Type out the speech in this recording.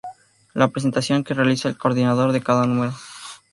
La presentación que realiza el coordinador de cada número.